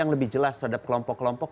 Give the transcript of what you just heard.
yang lebih jelas terhadap kelompok kelompok